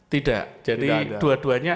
tidak jadi dua duanya